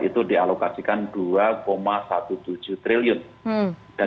itu dialokasikan dua tujuh belas triliun